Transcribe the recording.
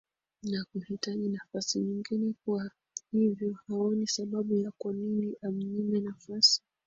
nakuhitaji nafasi nyingine kwa hivyo haoni sababu ya kwa nini amnyime nafasi